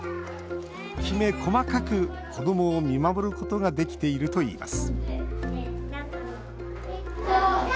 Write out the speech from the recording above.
きめ細かく子どもを見守ることができているといいます